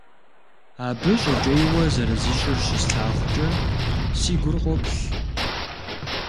Абы щӀыкӀейуэ зэрызищӀыр щыслъагъукӀэ, си гур къоплъ.